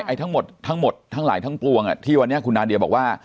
ทั้งหมดทั้งหมดทั้งหลายทั้งปวงที่วันนี้คุณนาเดียบอกว่า